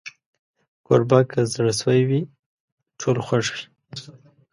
کوربه که زړه سوي وي، ټول خوښ وي.